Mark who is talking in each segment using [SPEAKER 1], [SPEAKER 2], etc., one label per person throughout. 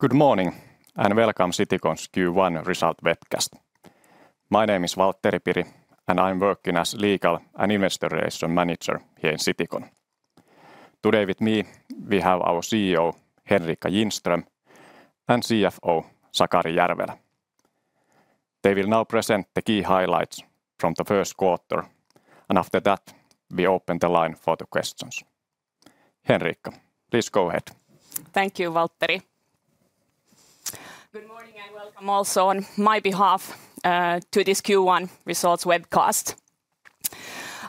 [SPEAKER 1] Good morning, and welcome to Citycon's Q1 result webcast. My name is Valtteri Piri, and I'm working as legal and investor relation manager here in Citycon. Today with me, we have our CEO, Henrica Ginström, and CFO, Sakari Järvelä. They will now present the key highlights from the first quarter, and after that, we open the line for the questions. Henrica, please go ahead.
[SPEAKER 2] Thank you, Valtteri. Good morning, and welcome also on my behalf to this Q1 results webcast.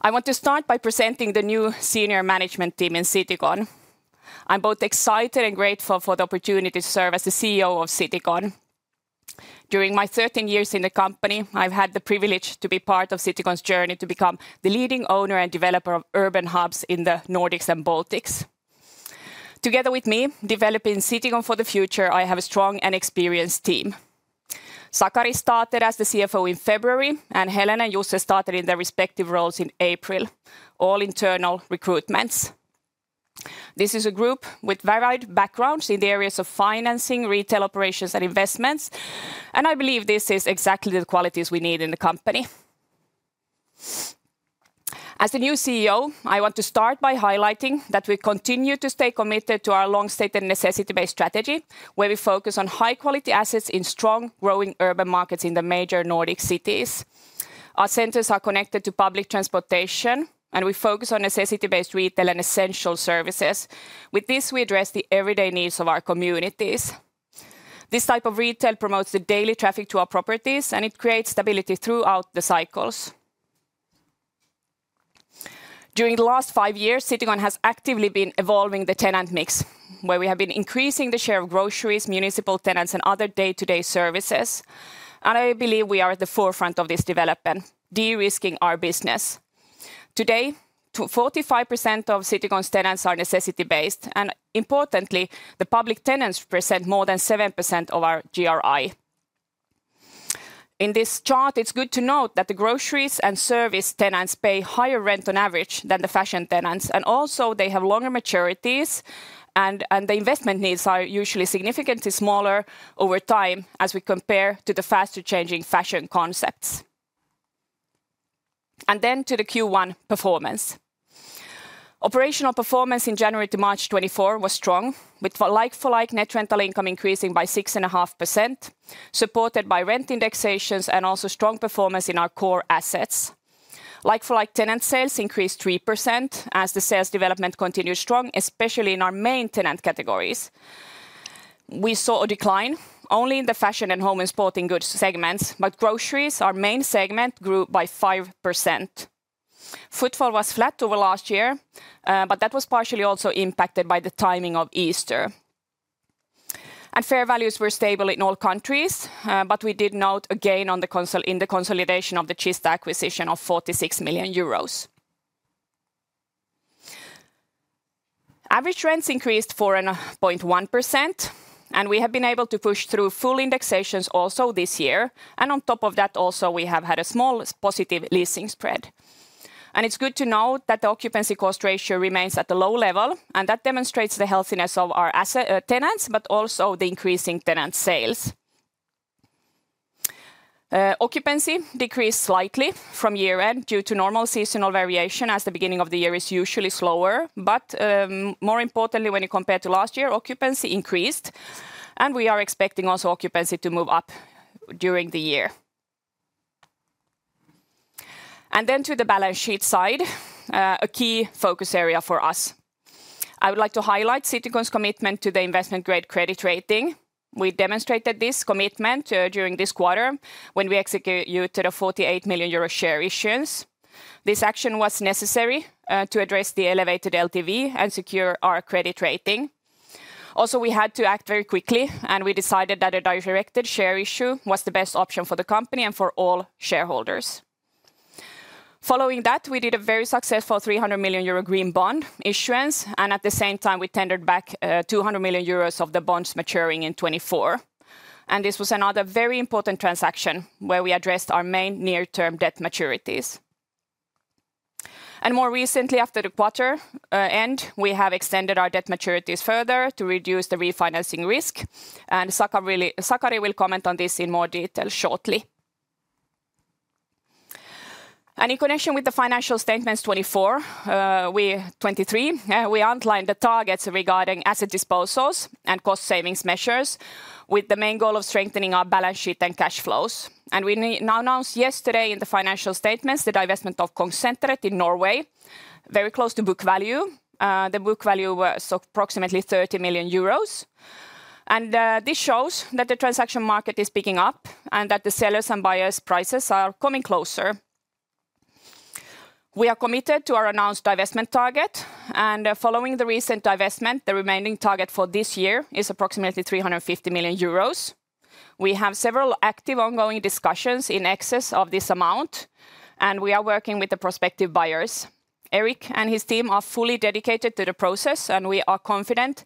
[SPEAKER 2] I want to start by presenting the new senior management team in Citycon. I'm both excited and grateful for the opportunity to serve as the CEO of Citycon. During my 13 years in the company, I've had the privilege to be part of Citycon's journey to become the leading owner and developer of urban hubs in the Nordics and Baltics. Together with me, developing Citycon for the future, I have a strong and experienced team. Sakari started as the CFO in February, and Helena and Jussi started in their respective roles in April, all internal recruitments. This is a group with varied backgrounds in the areas of financing, retail operations, and investments, and I believe this is exactly the qualities we need in the company. As the new CEO, I want to start by highlighting that we continue to stay committed to our long-stated necessity-based strategy, where we focus on high-quality assets in strong, growing urban markets in the major Nordic cities. Our centers are connected to public transportation, and we focus on necessity-based retail and essential services. With this, we address the everyday needs of our communities. This type of retail promotes the daily traffic to our properties, and it creates stability throughout the cycles. During the last 5 years, Citycon has actively been evolving the tenant mix, where we have been increasing the share of groceries, municipal tenants, and other day-to-day services, and I believe we are at the forefront of this development, de-risking our business. Today, 45% of Citycon's tenants are necessity-based, and importantly, the public tenants present more than 7% of our GRI. In this chart, it's good to note that the groceries and service tenants pay higher rent on average than the fashion tenants, and also they have longer maturities, and the investment needs are usually significantly smaller over time as we compare to the faster-changing fashion concepts. Then to the Q1 performance. Operational performance in January to March 2024 was strong, with like-for-like net rental income increasing by 6.5%, supported by rent indexations and also strong performance in our core assets. Like-for-like tenant sales increased 3%, as the sales development continued strong, especially in our main tenant categories. We saw a decline only in the fashion and home and sporting goods segments, but groceries, our main segment, grew by 5%. Footfall was flat over last year, but that was partially also impacted by the timing of Easter. Fair values were stable in all countries, but we did note a gain on the consolidation of the Kista acquisition of 46 million euros. Average rents increased 4.1%, and we have been able to push through full indexations also this year, and on top of that, also, we have had a small positive leasing spread. It's good to note that the occupancy cost ratio remains at a low level, and that demonstrates the healthiness of our assets, tenants, but also the increasing tenant sales. Occupancy decreased slightly from year-end due to normal seasonal variation, as the beginning of the year is usually slower. More importantly, when you compare to last year, occupancy increased, and we are expecting also occupancy to move up during the year. To the balance sheet side, a key focus area for us. I would like to highlight Citycon's commitment to the investment-grade credit rating. We demonstrated this commitment during this quarter, when we executed the 48 million euro share issuance. This action was necessary to address the elevated LTV and secure our credit rating. Also, we had to act very quickly, and we decided that a directed share issue was the best option for the company and for all shareholders. Following that, we did a very successful 300 million euro green bond issuance, and at the same time, we tendered back 200 million euros of the bonds maturing in 2024. This was another very important transaction, where we addressed our main near-term debt maturities. More recently, after the quarter end, we have extended our debt maturities further to reduce the refinancing risk, and Sakari will comment on this in more detail shortly. In connection with the financial statements 2023, we outlined the targets regarding asset disposals and cost savings measures, with the main goal of strengthening our balance sheet and cash flows. We announced yesterday in the financial statements the divestment of Kongsenteret in Norway, very close to book value. The book value was approximately 30 million euros. This shows that the transaction market is picking up and that the sellers' and buyers' prices are coming closer. We are committed to our announced divestment target, and following the recent divestment, the remaining target for this year is approximately 350 million euros. We have several active, ongoing discussions in excess of this amount, and we are working with the prospective buyers. Erik and his team are fully dedicated to the process, and we are confident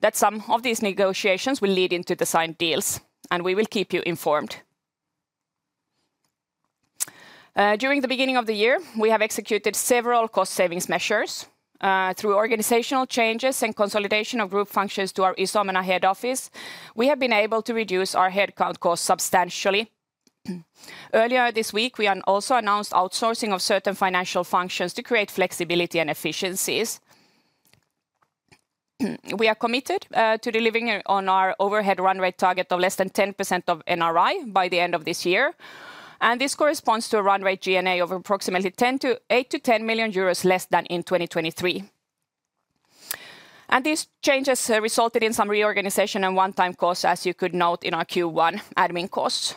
[SPEAKER 2] that some of these negotiations will lead into the signed deals, and we will keep you informed. During the beginning of the year, we have executed several cost savings measures. Through organizational changes and consolidation of group functions to our Iso Omena head office, we have been able to reduce our head count cost substantially. Earlier this week, we also announced outsourcing of certain financial functions to create flexibility and efficiencies. We are committed to delivering on our overhead run rate target of less than 10% of NRI by the end of this year, and this corresponds to a run rate G&A of approximately 8 million-10 million euros less than in 2023. These changes resulted in some reorganization and one-time costs, as you could note in our Q1 admin costs.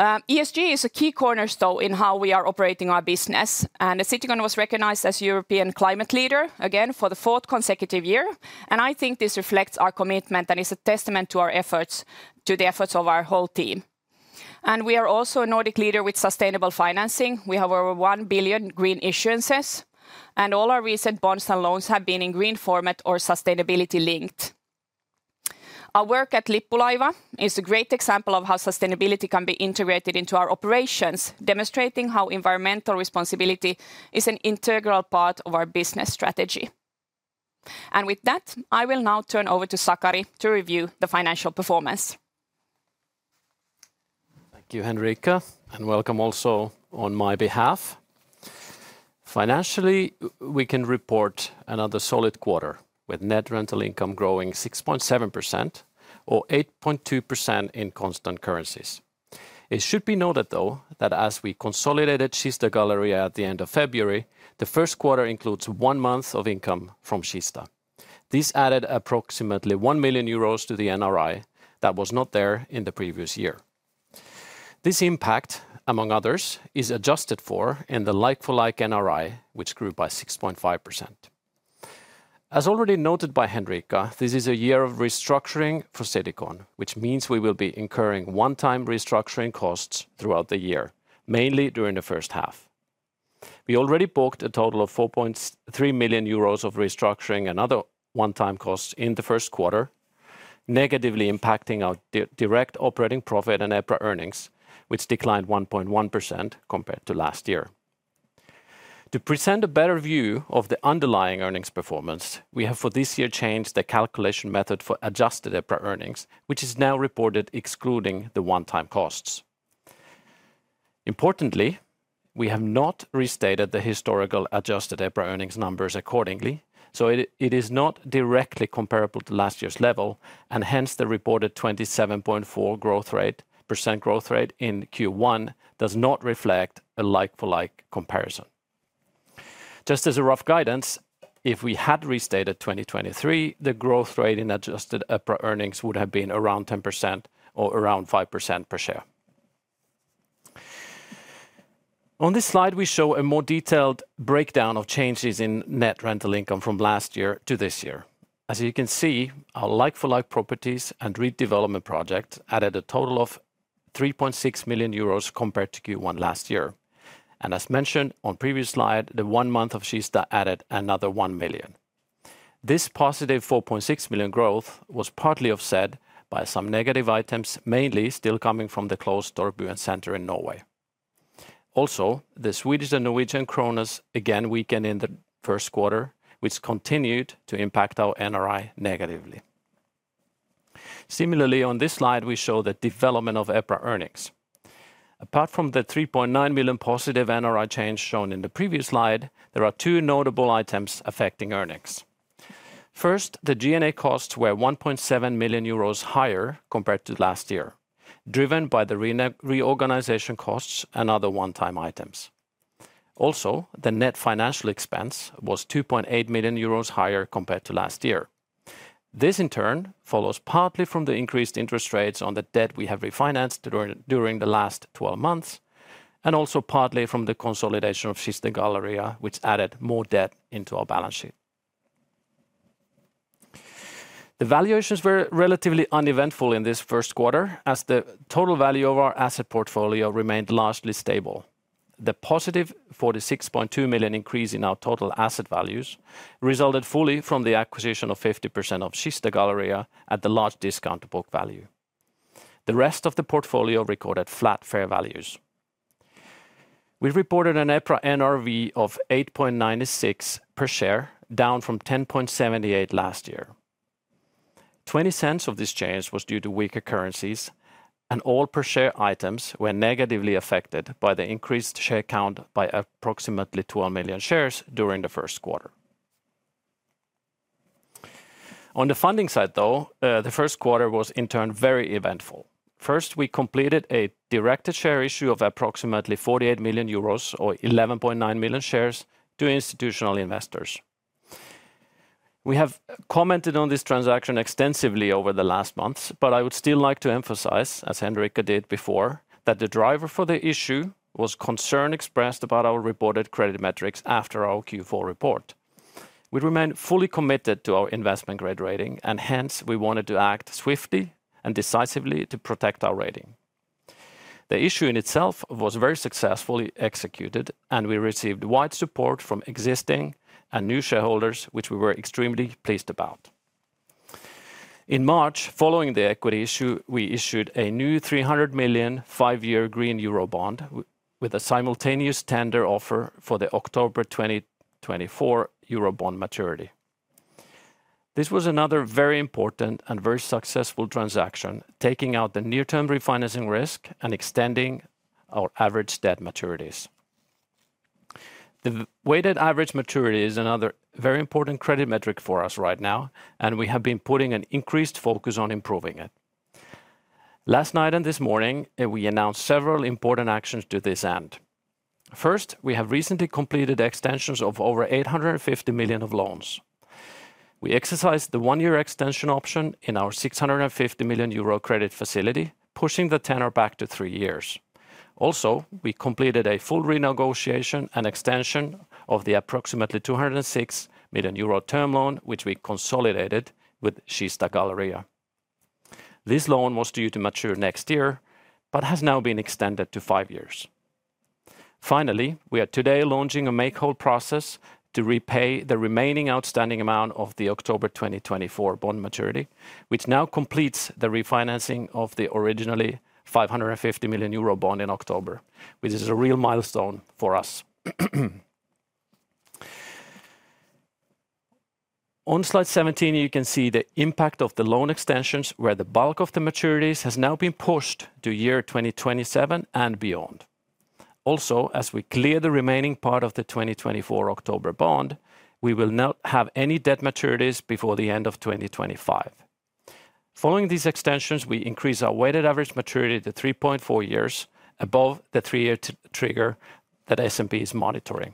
[SPEAKER 2] ESG is a key cornerstone in how we are operating our business, and Citycon was recognized as European Climate Leader again for the fourth consecutive year. I think this reflects our commitment and is a testament to the efforts of our whole team. We are also a Nordic leader with sustainable financing. We have over 1 billion green issuances, and all our recent bonds and loans have been in green format or sustainability-linked. Our work at Lippulaiva is a great example of how sustainability can be integrated into our operations, demonstrating how environmental responsibility is an integral part of our business strategy. With that, I will now turn over to Sakari to review the financial performance.
[SPEAKER 3] Thank you, Henrica, and welcome also on my behalf. Financially, we can report another solid quarter, with net rental income growing 6.7%, or 8.2% in constant currencies. It should be noted, though, that as we consolidated Kista Galleria at the end of February, the first quarter includes one month of income from Kista. This added approximately 1 million euros to the NRI that was not there in the previous year. This impact, among others, is adjusted for in the like-for-like NRI, which grew by 6.5%. As already noted by Henrica, this is a year of restructuring for Citycon, which means we will be incurring one-time restructuring costs throughout the year, mainly during the first half. We already booked a total of 4.3 million euros of restructuring and other one-time costs in the first quarter, negatively impacting our direct operating profit and EPRA earnings, which declined 1.1% compared to last year. To present a better view of the underlying earnings performance, we have, for this year, changed the calculation method for adjusted EPRA earnings, which is now reported excluding the one-time costs. Importantly, we have not restated the historical adjusted EPRA earnings numbers accordingly, so it is not directly comparable to last year's level, and hence, the reported 27.4% growth rate in Q1 does not reflect a like-for-like comparison. Just as a rough guidance, if we had restated 2023, the growth rate in adjusted EPRA earnings would have been around 10%, or around 5% per share. On this slide, we show a more detailed breakdown of changes in net rental income from last year to this year. As you can see, our like-for-like properties and redevelopment project added a total of 3.6 million euros compared to Q1 last year. As mentioned on previous slide, the one month of Kista added another 1 million. This positive 4.6 million growth was partly offset by some negative items, mainly still coming from the closed Torp Østcenter in Norway. Also, the Swedish and Norwegian kronas again weakened in the first quarter, which continued to impact our NRI negatively. Similarly, on this slide, we show the development of EPRA earnings. Apart from the 3.9 million positive NRI change shown in the previous slide, there are two notable items affecting earnings. First, the G&A costs were 1.7 million euros higher compared to last year, driven by the reorganization costs and other one-time items. Also, the net financial expense was 2.8 million euros higher compared to last year. This, in turn, follows partly from the increased interest rates on the debt we have refinanced during the last 12 months, and also partly from the consolidation of Kista Galleria, which added more debt into our balance sheet. The valuations were relatively uneventful in this first quarter, as the total value of our asset portfolio remained largely stable. The positive 46.2 million increase in our total asset values resulted fully from the acquisition of 50% of Kista Galleria at a large discount to book value. The rest of the portfolio recorded flat fair values. We reported an EPRA NRV of 8.96 per share, down from 10.78 last year. 0.20 of this change was due to weaker currencies, and all per share items were negatively affected by the increased share count by approximately 12 million shares during the first quarter. On the funding side, though, the first quarter was, in turn, very eventful. First, we completed a directed share issue of approximately 48 million euros, or 11.9 million shares, to institutional investors. We have commented on this transaction extensively over the last months, but I would still like to emphasize, as Henrica did before, that the driver for the issue was concern expressed about our reported credit metrics after our Q4 report. We remain fully committed to our investment-grade rating, and hence, we wanted to act swiftly and decisively to protect our rating. The issue in itself was very successfully executed, and we received wide support from existing and new shareholders, which we were extremely pleased about. In March, following the equity issue, we issued a new 300 million, five-year green euro bond with a simultaneous tender offer for the October 2024 euro bond maturity. This was another very important and very successful transaction, taking out the near-term refinancing risk and extending our average debt maturities. The weighted average maturity is another very important credit metric for us right now, and we have been putting an increased focus on improving it. Last night and this morning, we announced several important actions to this end. First, we have recently completed extensions of over 850 million of loans. We exercised the one-year extension option in our 650 million euro credit facility, pushing the tenor back to 3 years. Also, we completed a full renegotiation and extension of the approximately 206 million euro term loan, which we consolidated with Kista Galleria. This loan was due to mature next year, but has now been extended to 5 years. Finally, we are today launching a make whole process to repay the remaining outstanding amount of the October 2024 bond maturity, which now completes the refinancing of the originally 550 million euro bond in October, which is a real milestone for us. On slide 17, you can see the impact of the loan extensions, where the bulk of the maturities has now been pushed to year 2027 and beyond. Also, as we clear the remaining part of the 2024 October bond, we will not have any debt maturities before the end of 2025. Following these extensions, we increase our weighted average maturity to 3.4 years, above the 3-year trigger that S&P is monitoring.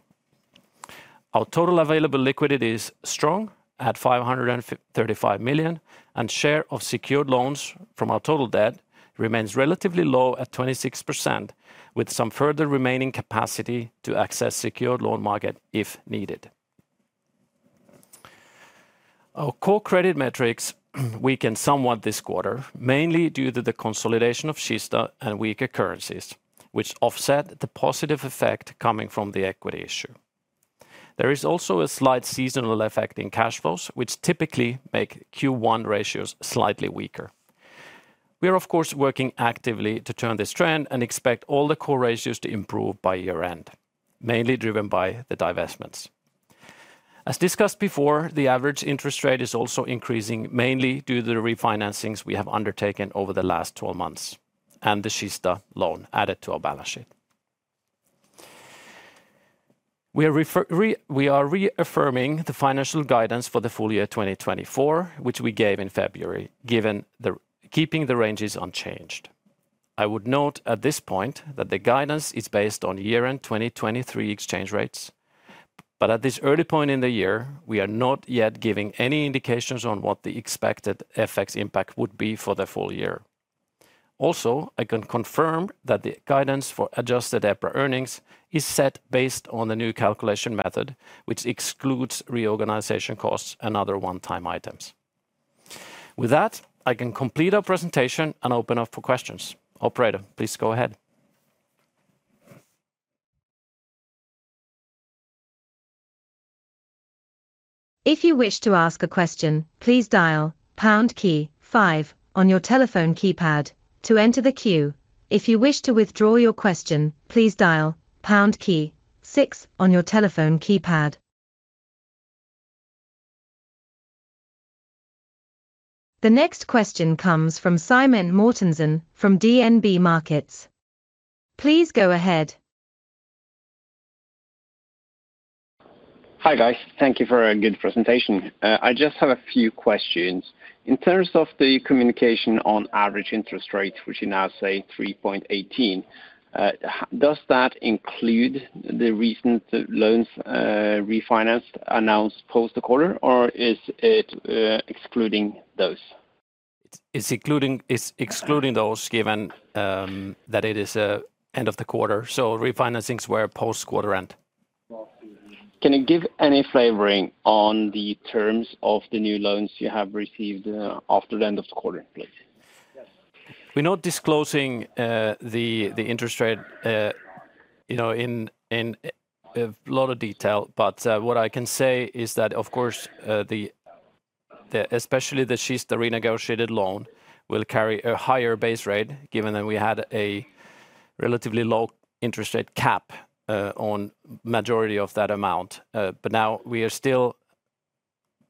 [SPEAKER 3] Our total available liquidity is strong, at 535 million, and share of secured loans from our total debt remains relatively low at 26%, with some further remaining capacity to access secured loan market, if needed. Our core credit metrics weakened somewhat this quarter, mainly due to the consolidation of Kista and weaker currencies, which offset the positive effect coming from the equity issue. There is also a slight seasonal effect in cash flows, which typically make Q1 ratios slightly weaker. We are, of course, working actively to turn this trend and expect all the core ratios to improve by year-end, mainly driven by the divestments. As discussed before, the average interest rate is also increasing, mainly due to the refinancings we have undertaken over the last 12 months, and the Kista loan added to our balance sheet. We are reaffirming the financial guidance for the full year 2024, which we gave in February, given the keeping the ranges unchanged. I would note at this point, that the guidance is based on year-end 2023 exchange rates. But at this early point in the year, we are not yet giving any indications on what the expected FX impact would be for the full year. Also, I can confirm that the guidance for adjusted EPRA earnings is set based on the new calculation method, which excludes reorganization costs and other one-time items. With that, I can complete our presentation and open up for questions. Operator, please go ahead.
[SPEAKER 4] If you wish to ask a question, please dial pound key five on your telephone keypad to enter the queue. If you wish to withdraw your question, please dial pound key six on your telephone keypad. The next question comes from Simen Mortensen, from DNB Markets. Please go ahead.
[SPEAKER 5] Hi, guys. Thank you for a good presentation. I just have a few questions. In terms of the communication on average interest rate, which you now say 3.18, does that include the recent loans refinanced, announced post the quarter, or is it excluding those?
[SPEAKER 3] It's including... It's excluding those, given that it is an end of the quarter, so refinancings were post-quarter end.
[SPEAKER 5] Can you give any flavoring on the terms of the new loans you have received after the end of the quarter, please?
[SPEAKER 3] We're not disclosing the interest rate, you know, in a lot of detail. But what I can say is that, of course, especially the Kista renegotiated loan will carry a higher base rate, given that we had a relatively low interest rate cap on majority of that amount. But now we are still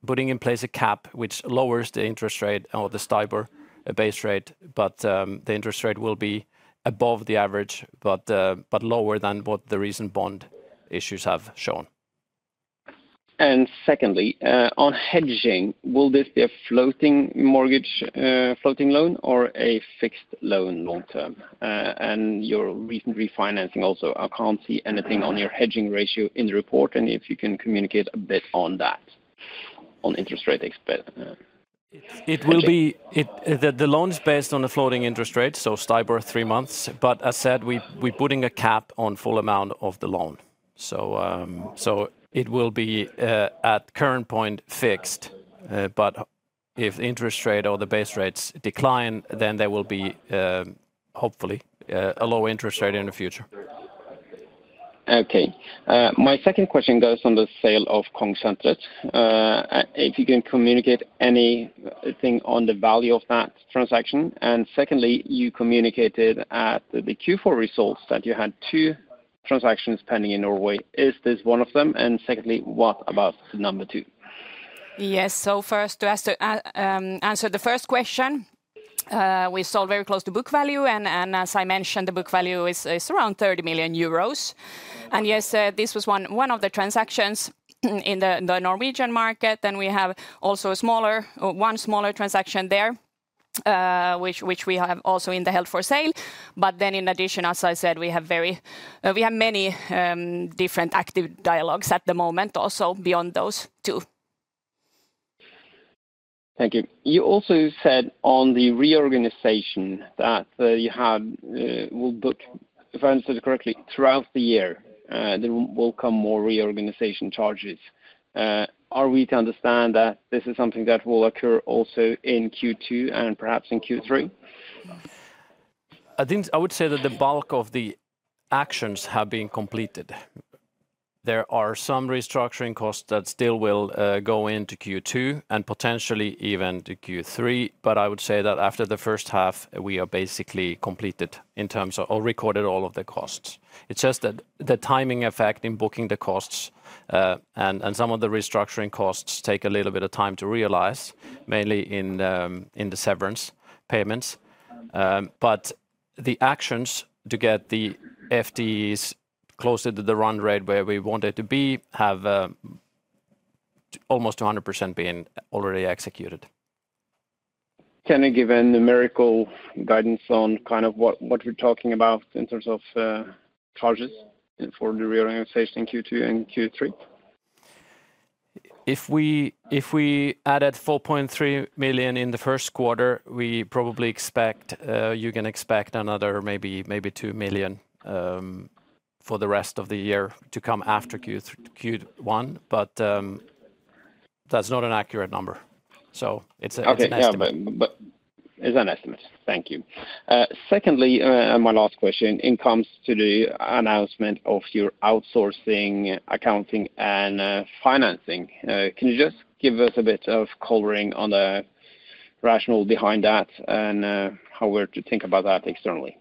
[SPEAKER 3] putting in place a cap, which lowers the interest rate or the STIBOR base rate, but the interest rate will be above the average, but lower than what the recent bond issues have shown.
[SPEAKER 5] And secondly, on hedging, will this be a floating mortgage, floating loan, or a fixed loan long term? And your recent refinancing also, I can't see anything on your hedging ratio in the report, and if you can communicate a bit on that, on interest rate expect,
[SPEAKER 3] It will be the loan is based on a floating interest rate, so STIBOR three months. But as said, we're putting a cap on the full amount of the loan. So it will be, at the current point, fixed. But if interest rate or the base rates decline, then there will be, hopefully, a low interest rate in the future....
[SPEAKER 5] Okay, my second question goes on the sale of Konsentrat. If you can communicate anything on the value of that transaction? And secondly, you communicated at the Q4 results that you had two transactions pending in Norway. Is this one of them? And secondly, what about number two?
[SPEAKER 2] Yes. So first, to answer the first question, we sold very close to book value, and as I mentioned, the book value is around 30 million euros. Yes, this was one of the transactions in the Norwegian market. Then we have also a smaller transaction there, which we have also in the held for sale. But then in addition, as I said, we have many different active dialogues at the moment also beyond those two.
[SPEAKER 5] Thank you. You also said on the reorganization that, you had, will book, if I understood correctly, throughout the year, there will come more reorganization charges. Are we to understand that this is something that will occur also in Q2 and perhaps in Q3?
[SPEAKER 3] I think I would say that the bulk of the actions have been completed. There are some restructuring costs that still will go into Q2, and potentially even to Q3, but I would say that after the first half, we are basically completed in terms of or recorded all of the costs. It's just that the timing effect in booking the costs, and some of the restructuring costs take a little bit of time to realize, mainly in the severance payments. But the actions to get the FTEs closer to the run rate where we want it to be have almost 100% been already executed.
[SPEAKER 5] Can you give a numerical guidance on kind of what, what you're talking about in terms of, charges for the reorganization in Q2 and Q3?
[SPEAKER 3] If we added 4.3 million in the first quarter, we probably expect you can expect another maybe 2 million for the rest of the year to come after Q1. But that's not an accurate number, so it's an estimate.
[SPEAKER 5] Okay. Yeah, but, but it's an estimate. Thank you. Secondly, and my last question, it comes to the announcement of your outsourcing, accounting, and financing. Can you just give us a bit of coloring on the rationale behind that and how we're to think about that externally?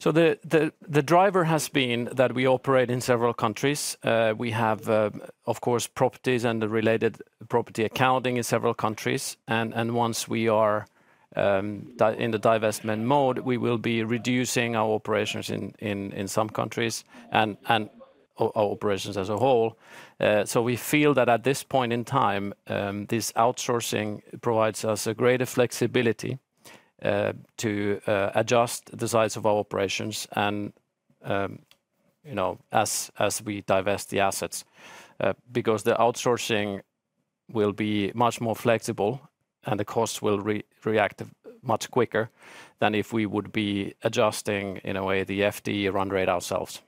[SPEAKER 3] Sure. So the driver has been that we operate in several countries. We have, of course, properties and the related property accounting in several countries, and once we are in the divestment mode, we will be reducing our operations in some countries and our operations as a whole. So we feel that at this point in time, this outsourcing provides us a greater flexibility to adjust the size of our operations and, you know, as we divest the assets. Because the outsourcing will be much more flexible, and the costs will react much quicker than if we would be adjusting, in a way, the FD run rate ourselves.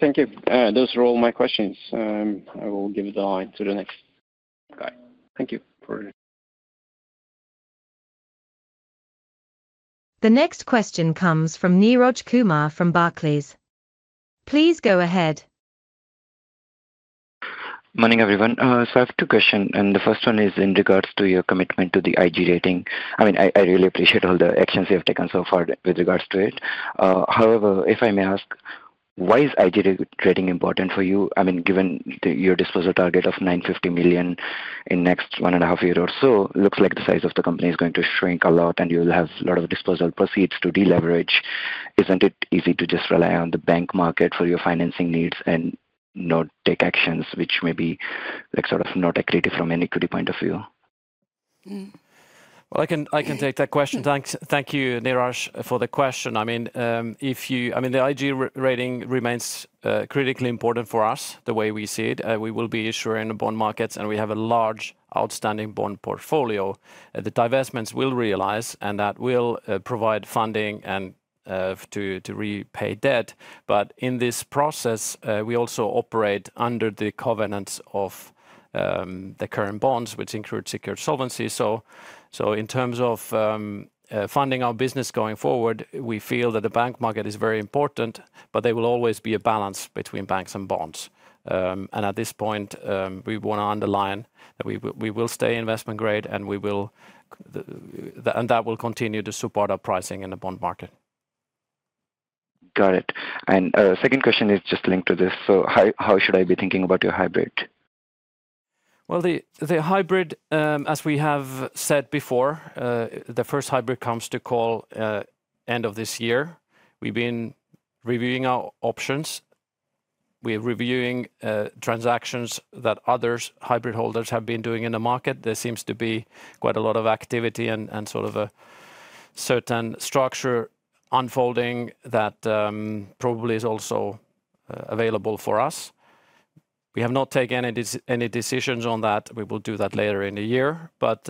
[SPEAKER 5] Thank you. Those are all my questions, and I will give the line to the next guy. Thank you.
[SPEAKER 4] The next question comes from Neeraj Kumar from Barclays. Please go ahead.
[SPEAKER 6] Morning, everyone. So I have two questions, and the first one is in regards to your commitment to the IG rating. I mean, I, I really appreciate all the actions you have taken so far with regards to it. However, if I may ask, why is IG rating important for you? I mean, given the... your disposal target of 950 million in next one and a half year or so, looks like the size of the company is going to shrink a lot, and you'll have a lot of disposal proceeds to deleverage. Isn't it easy to just rely on the bank market for your financing needs and not take actions which may be, like, sort of not accretive from an equity point of view?
[SPEAKER 2] Mm.
[SPEAKER 3] Well, I can, I can take that question.
[SPEAKER 2] Mm.
[SPEAKER 3] Thanks. Thank you, Neeraj, for the question. I mean, I mean, the IG rating remains critically important for us, the way we see it. We will be issuing the bond markets, and we have a large outstanding bond portfolio. The divestments will realize, and that will provide funding and to repay debt. But in this process, we also operate under the covenants of the current bonds, which include secured solvency. So in terms of funding our business going forward, we feel that the bank market is very important, but there will always be a balance between banks and bonds. And at this point, we want to underline that we will stay investment grade, and that will continue to support our pricing in the bond market.
[SPEAKER 6] Got it. And second question is just linked to this: so how should I be thinking about your hybrid?
[SPEAKER 3] Well, the hybrid, as we have said before, the first hybrid comes to call, end of this year. We've been reviewing our options. We're reviewing transactions that others, hybrid holders, have been doing in the market. There seems to be quite a lot of activity and sort of a certain structure unfolding that probably is also available for us. We have not taken any decisions on that. We will do that later in the year. But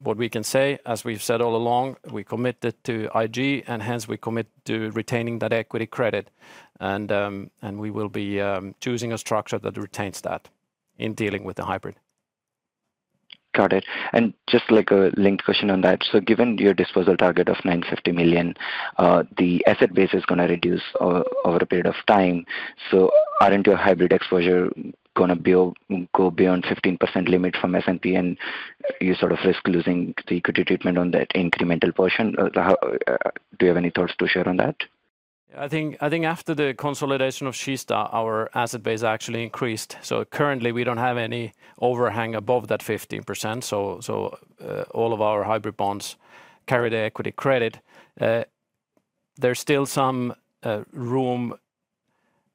[SPEAKER 3] what we can say, as we've said all along, we're committed to IG, and hence, we commit to retaining that equity credit. And we will be choosing a structure that retains that in dealing with the hybrid. ...
[SPEAKER 6] Got it. Just like a linked question on that, so given your disposal target of 950 million, the asset base is going to reduce over a period of time, so aren't your hybrid exposure going to go beyond 15% limit from S&P, and you sort of risk losing the equity treatment on that incremental portion? How... Do you have any thoughts to share on that?
[SPEAKER 3] I think, I think after the consolidation of Kista, our asset base actually increased. So currently, we don't have any overhang above that 15%, so, so, all of our hybrid bonds carry the equity credit. There's still some room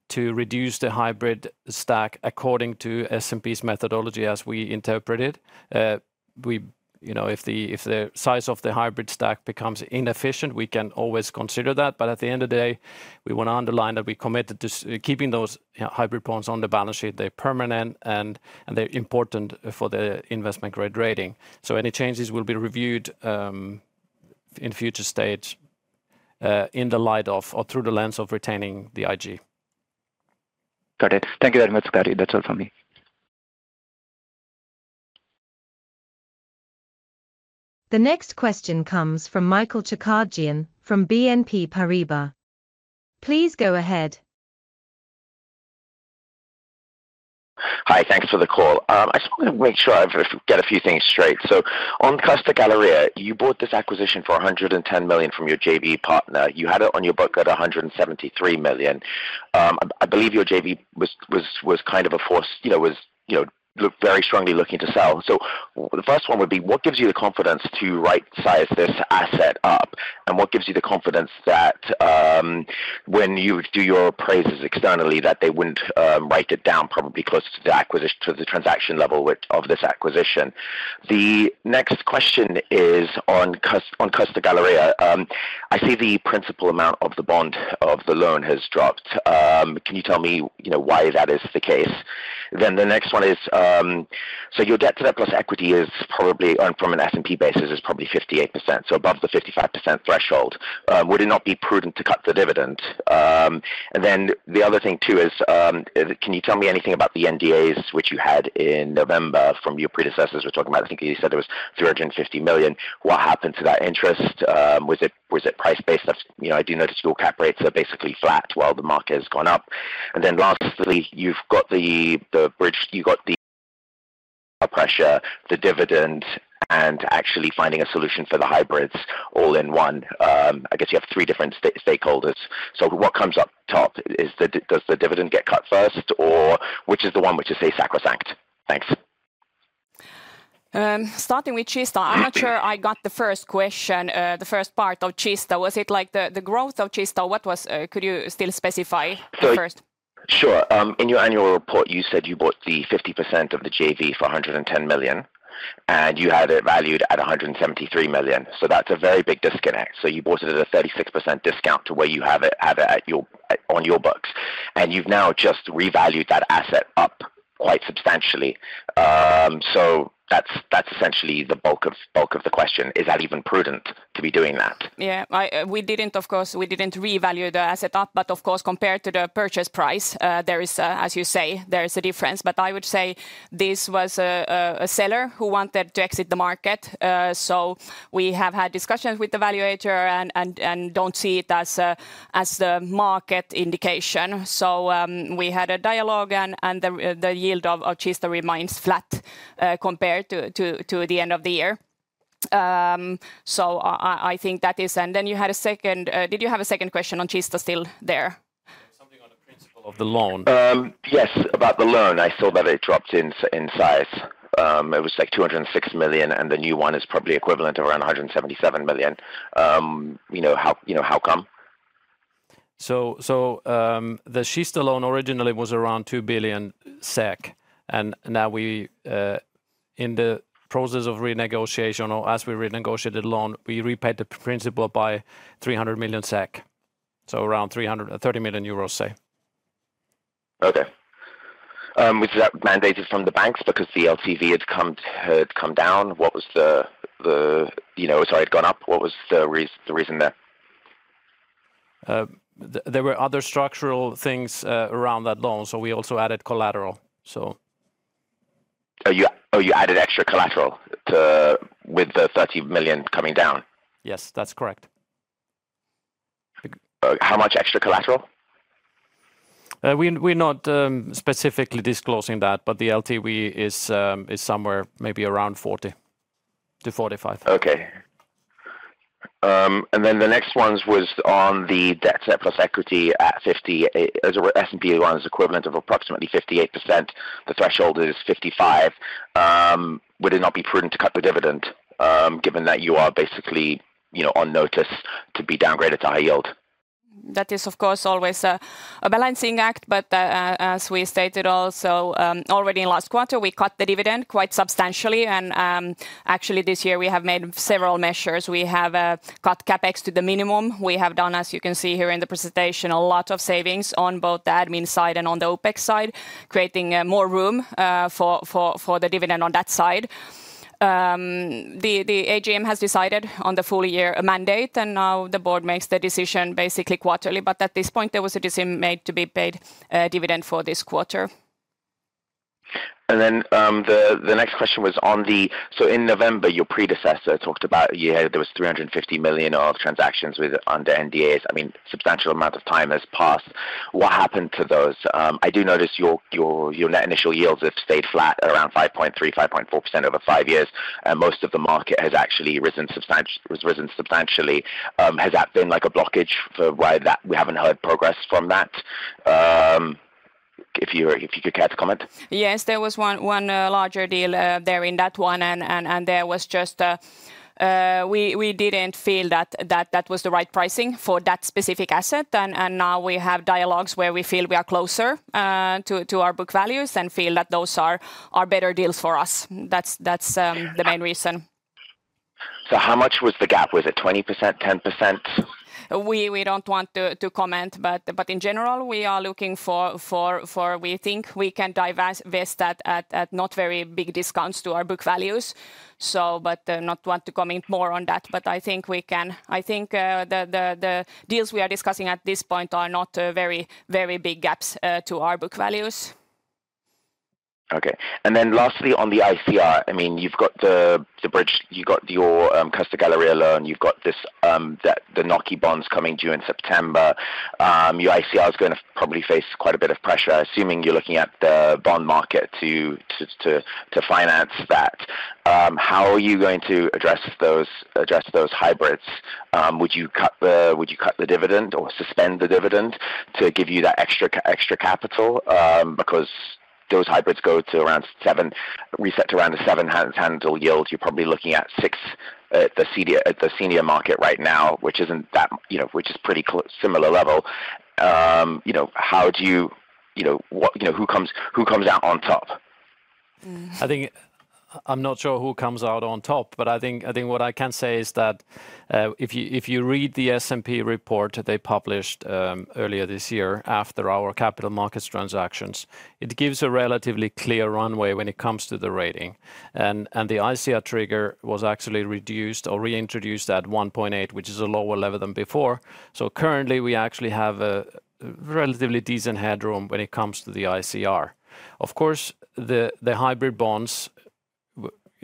[SPEAKER 3] to reduce the hybrid stack according to S&P's methodology as we interpret it. You know, if the, if the size of the hybrid stack becomes inefficient, we can always consider that. But at the end of the day, we want to underline that we're committed to keeping those, you know, hybrid bonds on the balance sheet. They're permanent, and, and they're important for the investment grade rating. So any changes will be reviewed in future stage, in the light of or through the lens of retaining the IG.
[SPEAKER 6] Got it. Thank you very much, Kari. That's all for me.
[SPEAKER 4] The next question comes from Michael Chara from BNP Paribas. Please go ahead.
[SPEAKER 7] Hi, thank you for the call. I just want to make sure I've get a few things straight. So on Kista Galleria, you bought this acquisition for 110 million from your JV partner. You had it on your book at 173 million. I believe your JV was kind of a force, you know, very strongly looking to sell. So the first one would be: What gives you the confidence to rightsize this asset up? And what gives you the confidence that, when you do your appraisals externally, that they wouldn't write it down probably closer to the acquisition, to the transaction level with, of this acquisition? The next question is on Kista Galleria. I see the principal amount of the bond of the loan has dropped. Can you tell me, you know, why that is the case? Then the next one is, so your debt to that, plus equity is probably, from an S&P basis, is probably 58%, so above the 55% threshold. Would it not be prudent to cut the dividend? And then the other thing, too, is, can you tell me anything about the NDAs, which you had in November from your predecessors? We're talking about I think you said it was 350 million. What happened to that interest? Was it, was it price-based? That's, you know, I do notice your cap rates are basically flat while the market has gone up. And then lastly, you've got the, the bridge... You got the pressure, the dividend, and actually finding a solution for the hybrids all in one.I guess you have three different stakeholders. So what comes up top? Does the dividend get cut first, or which is the one which you say sacrosanct? Thanks.
[SPEAKER 2] Starting with Kista.
[SPEAKER 7] Mm-hmm.
[SPEAKER 2] I'm not sure I got the first question, the first part of Kista. Was it like the growth of Kista? What was... Could you still specify first?
[SPEAKER 7] Sure. In your annual report, you said you bought the 50% of the JV for 110 million, and you had it valued at 173 million. So that's a very big disconnect. So you bought it at a 36% discount to where you have it at your, on your books, and you've now just revalued that asset up quite substantially. So that's essentially the bulk of the question. Is that even prudent to be doing that?
[SPEAKER 2] Yeah, I... We didn't, of course, we didn't revalue the asset up. But of course, compared to the purchase price, there is a, as you say, there is a difference. But I would say this was a seller who wanted to exit the market. So we have had discussions with the valuator and don't see it as the market indication. So, we had a dialogue and the yield of Kista remains flat, compared to the end of the year. So I think that is... And then you had a second, did you have a second question on Kista still there?
[SPEAKER 3] Something on the principal of the loan.
[SPEAKER 7] Yes, about the loan. I saw that it dropped in size. It was, like, 206 million, and the new one is probably equivalent to around 177 million. You know, you know, how come?
[SPEAKER 3] So, the Kista loan originally was around 2 billion SEK, and now we, in the process of renegotiation or as we renegotiated the loan, we repaid the principal by 300 million SEK, so around 330 million euros, say.
[SPEAKER 7] Okay. Was that mandated from the banks because the LTV had come down? What was the... You know, sorry, it had gone up. What was the reason there?
[SPEAKER 3] There were other structural things around that loan, so we also added collateral, so.
[SPEAKER 7] Oh, you added extra collateral to, with the 30 million coming down?
[SPEAKER 3] Yes, that's correct.
[SPEAKER 7] How much extra collateral?
[SPEAKER 3] We're not specifically disclosing that, but the LTV is somewhere maybe around 40%-45%.
[SPEAKER 7] Okay. And then the next ones was on the debt-to-equity at 50, S&P equivalent of approximately 58%. The threshold is 55. Would it not be prudent to cut the dividend, given that you are basically, you know, on notice to be downgraded to high yield?
[SPEAKER 2] That is, of course, always a balancing act. But, as we stated also, already in last quarter, we cut the dividend quite substantially, and, actually this year we have made several measures. We have cut CapEx to the minimum. We have done, as you can see here in the presentation, a lot of savings on both the admin side and on the OpEx side, creating more room for the dividend on that side. The AGM has decided on the full year mandate, and now the board makes the decision basically quarterly. But at this point, there was a decision made to be paid a dividend for this quarter. ...
[SPEAKER 7] Then, the next question was on the—so in November, your predecessor talked about you had, there was 350 million of transactions with under NDAs. I mean, substantial amount of time has passed. What happened to those? I do notice your net initial yields have stayed flat at around 5.3%-5.4% over 5 years, and most of the market has actually risen substantially. Has that been, like, a blockage for why that we haven't heard progress from that? If you could care to comment.
[SPEAKER 2] Yes, there was one larger deal there in that one, and there was just we didn't feel that was the right pricing for that specific asset. And now we have dialogues where we feel we are closer to our book values and feel that those are better deals for us. That's the main reason.
[SPEAKER 7] How much was the gap? Was it 20%, 10%?
[SPEAKER 2] We don't want to comment, but in general, we are looking for. We think we can divest this, that at not very big discounts to our book values, so but, not want to comment more on that. But I think we can. I think the deals we are discussing at this point are not very, very big gaps to our book values.
[SPEAKER 7] Okay. And then lastly, on the ICR, I mean, you've got the bridge, you've got your Kista Galleria loan, you've got this, that the hybrid bonds coming due in September. Your ICR is gonna probably face quite a bit of pressure, assuming you're looking at the bond market to finance that. How are you going to address those hybrids? Would you cut the dividend or suspend the dividend to give you that extra capital? Because those hybrids go to around 7—reset to around the 7 handle yield. You're probably looking at 6, the senior, at the senior market right now, which isn't that, you know, which is pretty similar level. You know, how do you, you know, what... You know, who comes out on top?
[SPEAKER 2] Mm.
[SPEAKER 3] I think I'm not sure who comes out on top, but I think, I think what I can say is that, if you, if you read the S&P report that they published, earlier this year after our capital markets transactions, it gives a relatively clear runway when it comes to the rating. And, and the ICR trigger was actually reduced or reintroduced at 1.8, which is a lower level than before. So currently, we actually have a relatively decent headroom when it comes to the ICR. Of course, the, the hybrid bonds,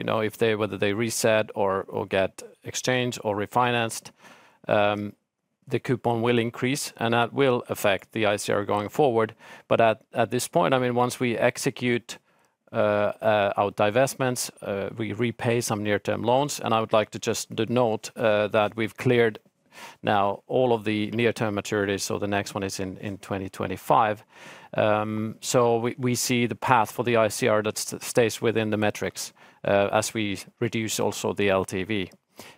[SPEAKER 3] w- you know, if they, whether they reset or, or get exchanged or refinanced, the coupon will increase, and that will affect the ICR going forward. But at this point, I mean, once we execute our divestments, we repay some near-term loans, and I would like to just denote that we've cleared now all of the near-term maturities, so the next one is in 2025. So we see the path for the ICR that stays within the metrics as we reduce also the LTV.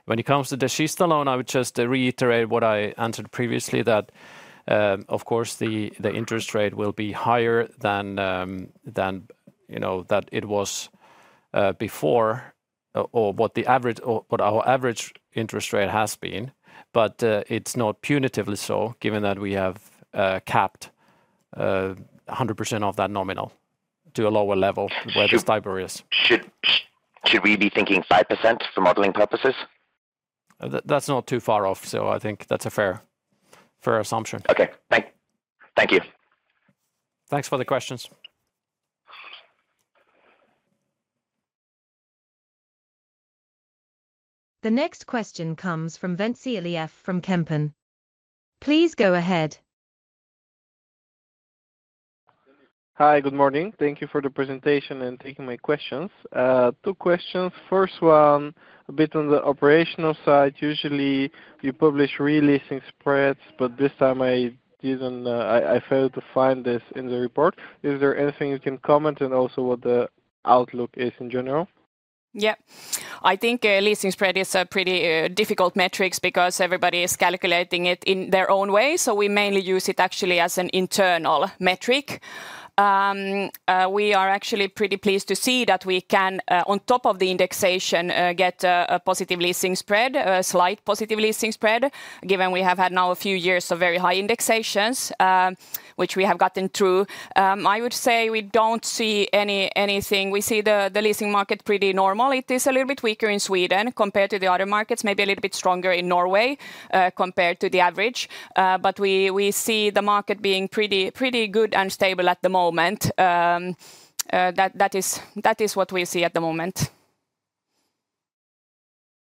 [SPEAKER 3] When it comes to the Kista loan, I would just reiterate what I answered previously, that of course the interest rate will be higher than you know that it was before or what the average or what our average interest rate has been, but it's not punitively so, given that we have capped 100% of that nominal to a lower level where the LIBOR is.
[SPEAKER 7] Should we be thinking 5% for modeling purposes?
[SPEAKER 3] That’s not too far off, so I think that’s a fair, fair assumption.
[SPEAKER 7] Okay, thank you.
[SPEAKER 3] Thanks for the questions.
[SPEAKER 4] The next question comes from Ventsi Vasilevfrom Kempen. Please go ahead.
[SPEAKER 8] Hi, good morning. Thank you for the presentation and taking my questions. Two questions. First one, a bit on the operational side. Usually, you publish re-leasing spreads, but this time I didn't, I failed to find this in the report. Is there anything you can comment? And also, what the outlook is in general?
[SPEAKER 2] Yeah. I think leasing spread is a pretty difficult metrics because everybody is calculating it in their own way, so we mainly use it actually as an internal metric. We are actually pretty pleased to see that we can on top of the indexation get a positive leasing spread, a slight positive leasing spread, given we have had now a few years of very high indexations, which we have gotten through. I would say we don't see anything. We see the leasing market pretty normal. It is a little bit weaker in Sweden compared to the other markets, maybe a little bit stronger in Norway compared to the average. But we see the market being pretty good and stable at the moment. That is what we see at the moment.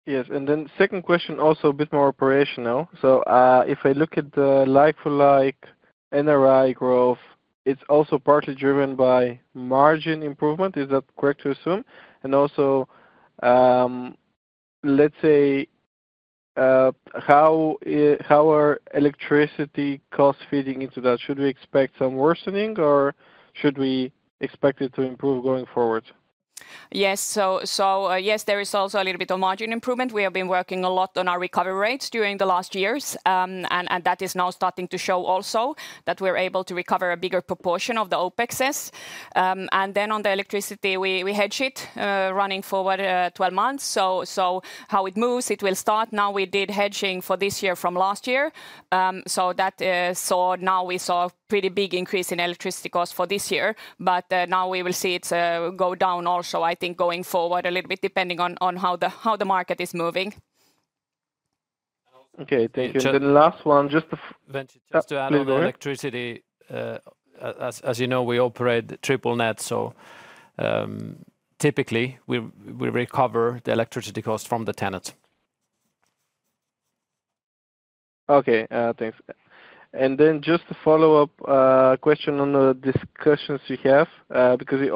[SPEAKER 8] Yes. And then second question, also a bit more operational. So, if I look at the like-for-like NRI growth, it's also partly driven by margin improvement. Is that correct to assume? And also, let's say, how are electricity costs feeding into that? Should we expect some worsening, or should we expect it to improve going forward?
[SPEAKER 2] Yes. Yes, there is also a little bit of margin improvement. We have been working a lot on our recovery rates during the last years, and that is now starting to show also that we're able to recover a bigger proportion of the OpExes. And then on the electricity, we hedge it running for what, 12 months. How it moves, it will start now. We did hedging for this year from last year. Now we saw a pretty big increase in electricity costs for this year, but, now we will see it go down also, I think going forward a little bit, depending on how the market is moving....
[SPEAKER 8] Okay, thank you. And then last one, just to-
[SPEAKER 3] Just to add on electricity, as you know, we operate triple net, so typically we recover the electricity costs from the tenant.
[SPEAKER 8] Okay, thanks. And then just a follow-up question on the discussions you have, because you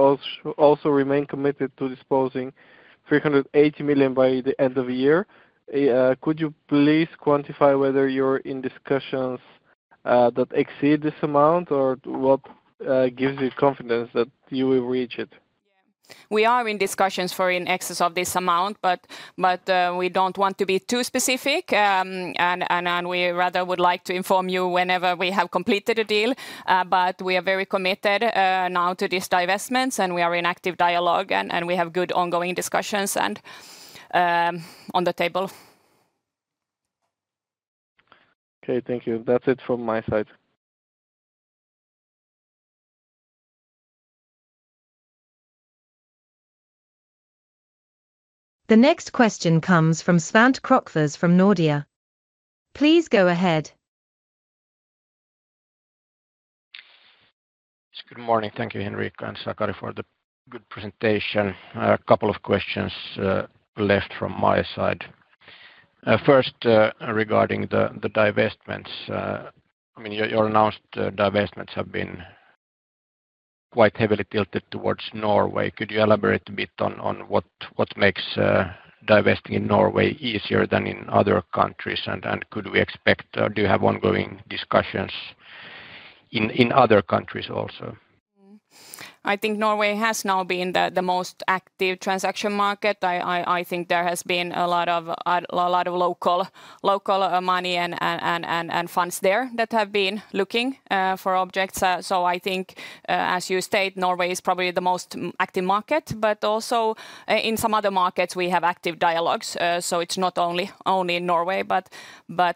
[SPEAKER 8] also remain committed to disposing 380 million by the end of the year. Could you please quantify whether you're in discussions that exceed this amount, or what gives you confidence that you will reach it?
[SPEAKER 2] Yeah. We are in discussions for in excess of this amount, but we don't want to be too specific. And we rather would like to inform you whenever we have completed a deal, but we are very committed now to these divestments, and we are in active dialogue, and we have good ongoing discussions, and on the table.
[SPEAKER 8] Okay, thank you. That's it from my side.
[SPEAKER 4] The next question comes from Svante Krokfors from Nordea. Please go ahead.
[SPEAKER 9] Good morning. Thank you, Henrica and Sakari, for the good presentation. A couple of questions left from my side. First, regarding the divestments, I mean, your announced divestments have been quite heavily tilted towards Norway. Could you elaborate a bit on what makes divesting in Norway easier than in other countries? And could we expect, or do you have ongoing discussions in other countries also?
[SPEAKER 2] I think Norway has now been the most active transaction market. I think there has been a lot of a lot of local money and funds there that have been looking for objects. So I think, as you state, Norway is probably the most active market, but also in some other markets we have active dialogues. So it's not only in Norway, but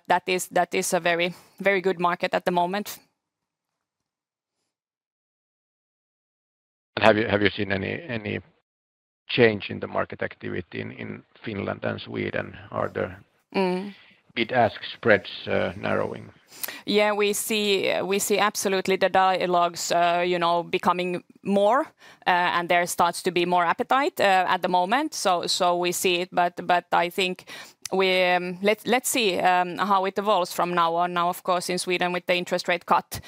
[SPEAKER 2] that is a very good market at the moment.
[SPEAKER 9] Have you seen any change in the market activity in Finland and Sweden? Are the-
[SPEAKER 2] Mm...
[SPEAKER 9] bid-ask spreads, narrowing?
[SPEAKER 2] Yeah, we see absolutely the dialogues, you know, becoming more, and there starts to be more appetite at the moment. So we see it, but I think we... Let's see how it evolves from now on. Now, of course, in Sweden with the interest rate cut,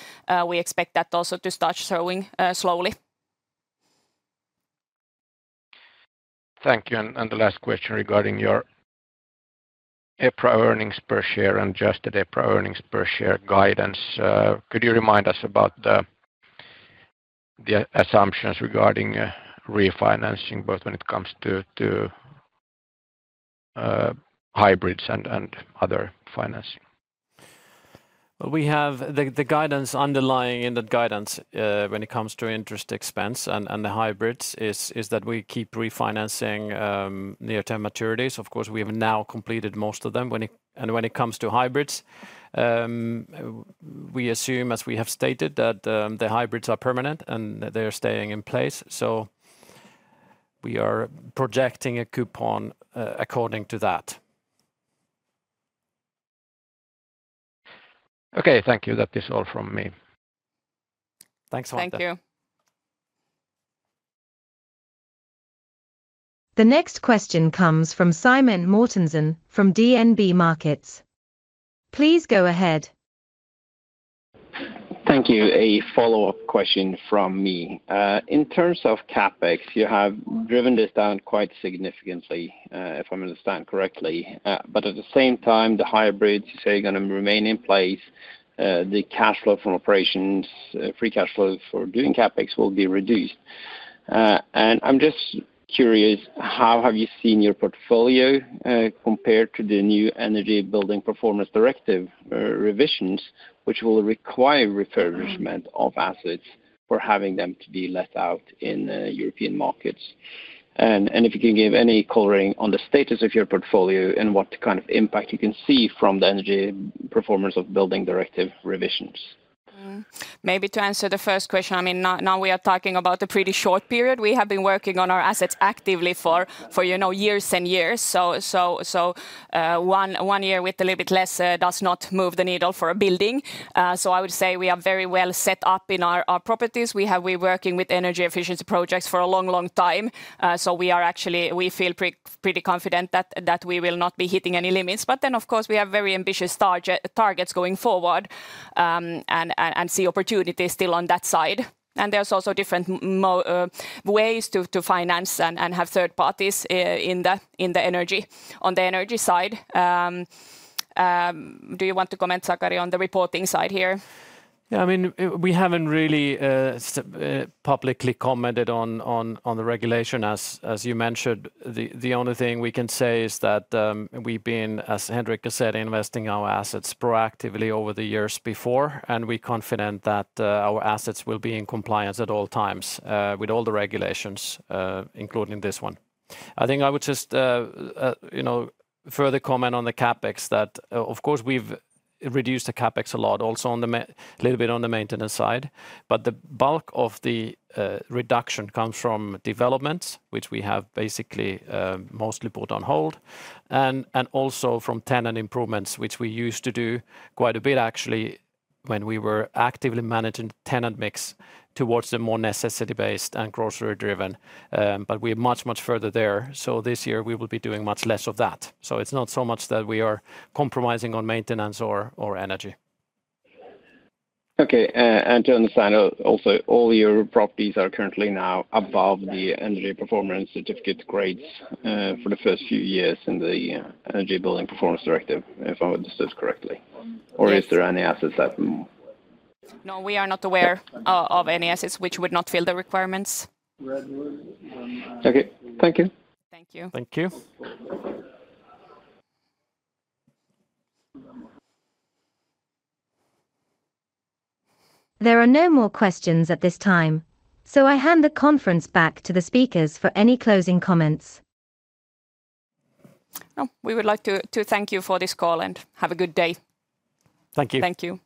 [SPEAKER 2] we expect that also to start showing slowly.
[SPEAKER 9] Thank you, and the last question regarding your EPS earnings per share and adjusted EPS earnings per share guidance. Could you remind us about the assumptions regarding refinancing, both when it comes to hybrids and other financing?
[SPEAKER 3] We have the guidance underlying in the guidance when it comes to interest expense and the hybrids is that we keep refinancing near-term maturities. Of course, we have now completed most of them. When it comes to hybrids, we assume, as we have stated, that the hybrids are permanent and that they're staying in place. So we are projecting a coupon according to that.
[SPEAKER 9] Okay, thank you. That is all from me.
[SPEAKER 3] Thanks, Svante.
[SPEAKER 2] Thank you.
[SPEAKER 4] The next question comes from Simen Mortensen from DNB Markets. Please go ahead.
[SPEAKER 5] Thank you. A follow-up question from me. In terms of CapEx, you have driven this down quite significantly, if I understand correctly. But at the same time, the hybrids, you say, are gonna remain in place, the cash flow from operations, free cash flow for doing CapEx will be reduced. And I'm just curious, how have you seen your portfolio compare to the new energy building performance directive revisions, which will require refurbishment-
[SPEAKER 2] Mm...
[SPEAKER 5] of assets for having them to be let out in, European markets? And, and if you can give any coloring on the status of your portfolio, and what kind of impact you can see from the energy performance of building directive revisions.
[SPEAKER 2] Maybe to answer the first question, I mean, now we are talking about a pretty short period. We have been working on our assets actively for, you know, years and years. So, one year with a little bit less does not move the needle for a building. So I would say we are very well set up in our properties. We have we're working with energy efficiency projects for a long, long time, so we are actually we feel pretty confident that we will not be hitting any limits. But then, of course, we have very ambitious targets going forward, and see opportunities still on that side. And there's also different ways to finance and have third parties in the energy, on the energy side. Do you want to comment, Sakari, on the reporting side here?
[SPEAKER 3] Yeah, I mean, we haven't really publicly commented on the regulation, as you mentioned. The only thing we can say is that, we've been, as Henrica said, investing our assets proactively over the years before, and we're confident that our assets will be in compliance at all times with all the regulations, including this one. I think I would just, you know, further comment on the CapEx that, of course, we've reduced the CapEx a lot also a little bit on the maintenance side. But the bulk of the reduction comes from development, which we have basically mostly put on hold, and also from tenant improvements, which we used to do quite a bit, actually, when we were actively managing tenant mix towards the more necessity-based and grocery-driven. But we're much, much further there, so this year we will be doing much less of that. So it's not so much that we are compromising on maintenance or energy.
[SPEAKER 5] Okay, and to understand, also, all your properties are currently now above the energy performance certificate grades for the first few years in the Energy Building Performance Directive, if I understood correctly?
[SPEAKER 2] Yes.
[SPEAKER 5] Or is there any assets that...
[SPEAKER 2] No, we are not aware-
[SPEAKER 5] Okay...
[SPEAKER 2] of any assets which would not fill the requirements.
[SPEAKER 5] Okay. Thank you.
[SPEAKER 2] Thank you.
[SPEAKER 3] Thank you.
[SPEAKER 4] There are no more questions at this time, so I hand the conference back to the speakers for any closing comments.
[SPEAKER 2] Well, we would like to thank you for this call, and have a good day.
[SPEAKER 3] Thank you.
[SPEAKER 2] Thank you.